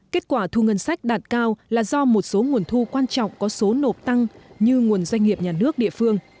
kết quả thu ngân sách đạt cao là do một số nguồn thu quan trọng có số nộp tăng như nguồn doanh nghiệp nhà nước địa phương